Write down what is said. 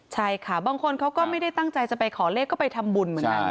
ใช่ค่ะบางคนเขาก็ไม่ได้ตั้งใจจะไปขอเลขก็ไปทำบุญเหมือนกัน